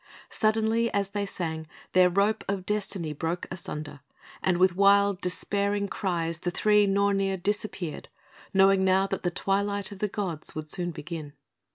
Suddenly, as they sang, their rope of Destiny broke asunder; and with wild, despairing cries the three Nornir disappeared, knowing now that the Twilight of the Gods would soon begin.